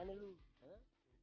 lo mau kemana lo